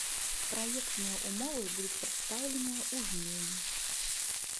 Праектныя ўмовы будуць прадстаўленыя ў жніўні.